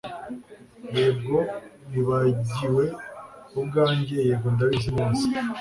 Yego nibagiwe ubwanjye yego ndabizi neza